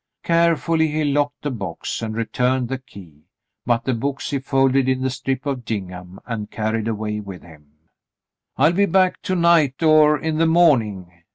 Carefully he locked the box and returned the key, but the books he folded in the strip of gingham and carried away with him. "I'll be back to night or in the morning.